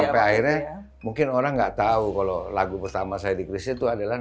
sampai akhirnya mungkin orang nggak tahu kalau lagu pertama saya di chrisnya itu adalah